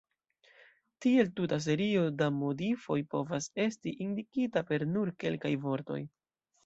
Tiel tuta serio da modifoj povas esti indikita per nur kelkaj vortoj.